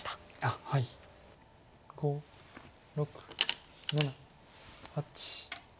５６７８。